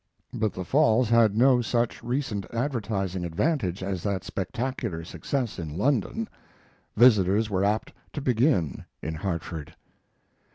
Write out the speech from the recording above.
But the Falls had no such recent advertising advantage as that spectacular success in London. Visitors were apt to begin in Hartford.